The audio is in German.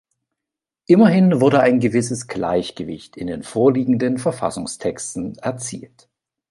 Immerhin wurde ein gewisses Gleichgewicht in den vorliegenden Verfassungstexten erzielt.